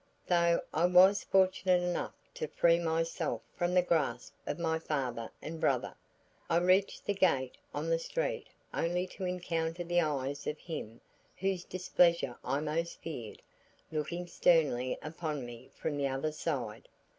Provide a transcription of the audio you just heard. Though I was fortunate enough to free myself from the grasp of my father and brother, I reached the gate on street only to encounter the eyes of him whose displeasure I most feared, looking sternly upon me from the other side.